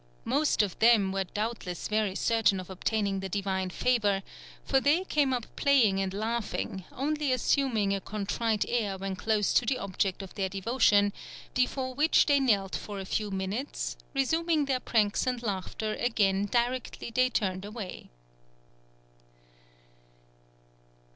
Most of them were doubtless very certain of obtaining the divine favour, for they came up playing and laughing, only assuming a contrite air when close to the object of their devotion, before which they knelt for a few minutes, resuming their pranks and laughter again directly they turned away."